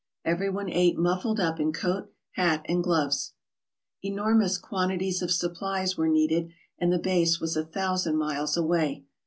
Everyone ate muffled up in coat, hat, and gloves. Enormous quantities of supplies were needed and the base was a thousand miles away.